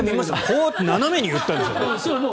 こうやって斜めに言ったんですよ。